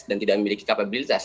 dan tidak memiliki kapabilitas